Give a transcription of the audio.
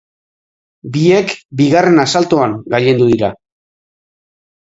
Biek bigarren asaltoan gailendu dira.